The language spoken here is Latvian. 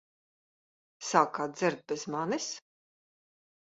Sākāt dzert bez manis?